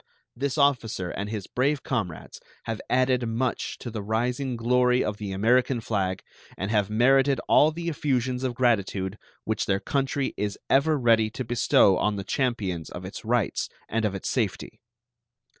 This officer and his brave comrades have added much to the rising glory of the American flag, and have merited all the effusions of gratitude which their country is ever ready to bestow on the champions of its rights and of its safety.